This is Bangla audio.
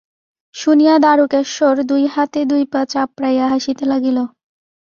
শুনিয়া দারুকেশ্বর দুই হাতে দুই পা চাপড়াইয়া হাসিতে লাগিল।